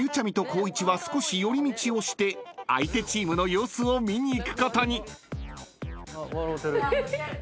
光一は少し寄り道をして相手チームの様子を見に行くことに］笑うてる。